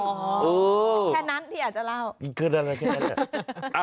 แค่นั้นที่อยากจะเล่า